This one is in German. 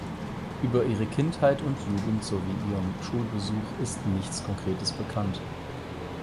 Über ihre Kindheit und Jugend sowie ihren Schulbesuch ist nichts Konkretes bekannt.